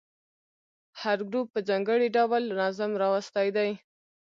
هر ګروپ په ځانګړي ډول نظم راوستی دی.